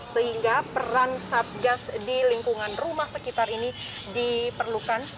sehingga peran satgas di lingkungan rumah sekitar ini diperlukan